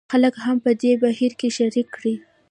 خلک هم په دې بهیر کې شریک کړي.